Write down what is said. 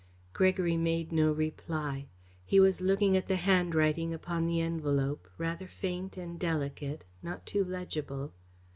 Gregory made no reply. He was looking at the handwriting upon the envelope; rather faint and delicate, not too legible.